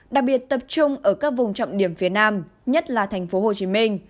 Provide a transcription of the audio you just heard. đặc biệt tập trung ở các vùng trọng điểm phía nam nhất là tp hcm